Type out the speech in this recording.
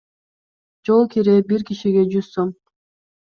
Жол кире бир кишиге жүз сом.